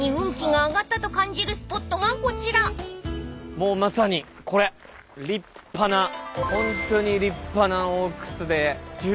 もうまさにこれ立派なホントに立派な大クスで。